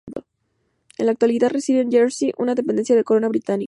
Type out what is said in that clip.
En la actualidad reside en Jersey, una dependencia de la Corona Británica.